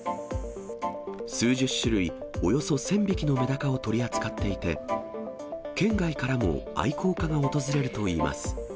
数十種類、およそ１０００匹のめだかを取り扱っていて、県外からも愛好家が訪れるといいます。